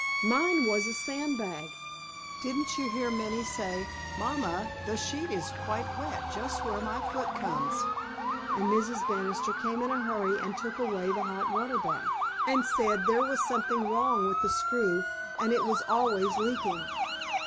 "Mine was a sand bag. Didn't you hear Minnie say, 'Mamma, the sheet is quite wet just where my foot comes;' and Mrs. Banister came in a hurry and took away the hot water bag, and said there was something wrong with the screw, and it was always leaking?